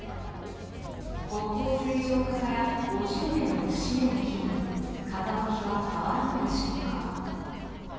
国交正常化から５０年の節目を機に風向きは変わるのでしょうか。